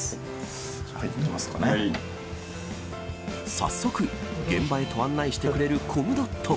早速、現場へと案内してくれるコムドット。